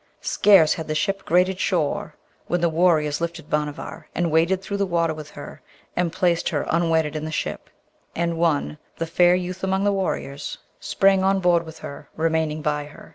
Scarce had the ship grated shore when the warriors lifted Bhanavar, and waded through the water with her, and placed her unwetted in the ship, and one, the fair youth among the warriors, sprang on board with her, remaining by her.